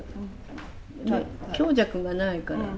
強弱がないから。